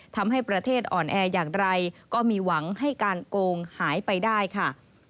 ทำให้ประเทศอ่อนแออย่างไรก็มีหวังให้การโกงหายไปได้ค่ะ